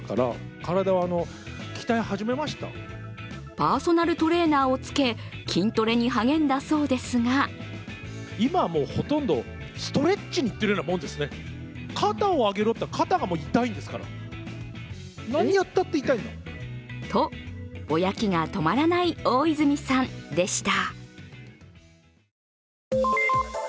パーソナルトレーナーをつけ筋トレに励んだそうですがと、ぼやきが止まらない大泉さんでした。